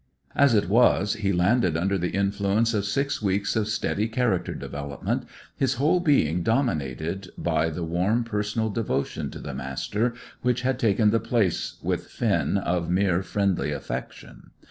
As it was, he landed under the influence of six weeks of steady character development, his whole being dominated by the warm personal devotion to the Master which had taken the place with Finn of mere friendly affection.